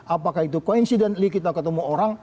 apakah itu considentily kita ketemu orang